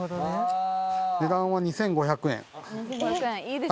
値段は２５００円はい。